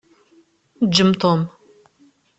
Ǧǧem Tom.